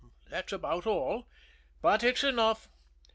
That's about all but it's enough.